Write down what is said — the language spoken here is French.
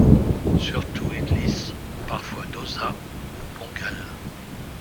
Surtout idlis, parfois dosa ou pongal.